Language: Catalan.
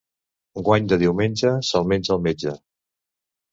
Guany de diumenge, se'l menja el metge.